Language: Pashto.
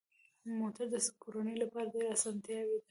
موټر د کورنۍ لپاره ډېره اسانتیا ده.